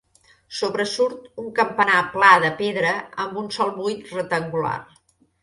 Sobresurt un campanar pla de pedra amb un sol buit rectangular.